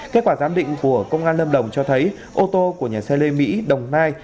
kết quả giám định của công an lâm đồng cho thấy ô tô của nhà xe lê mỹ đồng nai